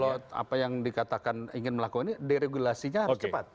kalau apa yang dikatakan ingin melakukan ini deregulasinya harus cepat